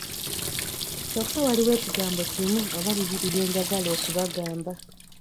Kyokka waliwo ekigambo kimu oba bibiri bye njagala okubagamba.